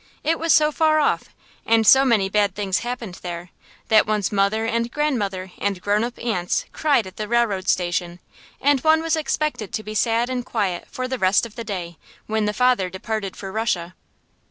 It was so far off, and so many bad things happened there, that one's mother and grandmother and grown up aunts cried at the railroad station, and one was expected to be sad and quiet for the rest of the day, when the father departed for Russia.